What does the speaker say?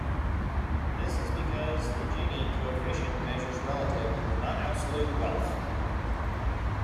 This is because the Gini coefficient measures relative, not absolute, wealth.